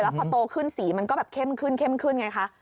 แล้วพอโตขึ้นสีมันก็แบบเข้มขึ้นขึ้นไงคะ